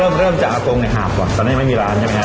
อือซึ่งก็เริ่มจากอากงหาบองว่ะตอนนั้นยังไม่มีร้านใช่ไหมครับ